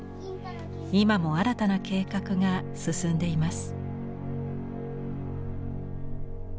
今も新たな計画が進んでいます。